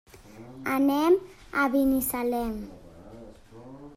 Anem a Binissalem.